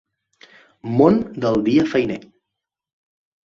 Món del dia feiner